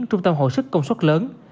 trung tâm hồi sức công suất lớn